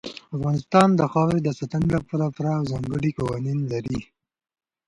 افغانستان د خاورې د ساتنې لپاره پوره او ځانګړي قوانین لري.